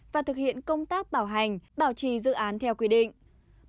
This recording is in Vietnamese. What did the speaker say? và thực hiện công tác bảo hành bảo trì dự án theo quy định